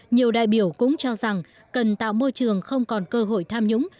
nhiều đại biểu cũng cho rằng cần tạo môi trường không còn cơ hội tham nhũng